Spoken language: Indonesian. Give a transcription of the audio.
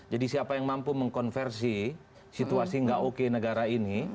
jadi siapa yang mampu mengkonversi situasi gak oke negara ini